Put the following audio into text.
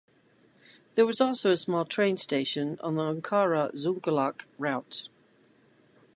There was also a small train station on the Ankara-Zonguldak route.